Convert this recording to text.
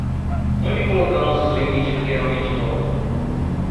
Onde colocamos os limites do que é realmente novo?